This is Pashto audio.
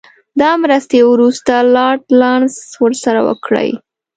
دا مرستې وروسته لارډ لارنس ورسره وکړې.